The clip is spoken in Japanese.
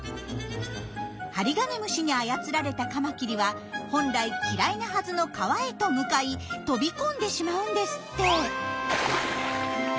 ハリガネムシに操られたカマキリは本来嫌いなはずの川へと向かい飛び込んでしまうんですって。